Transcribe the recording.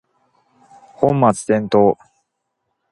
本末転倒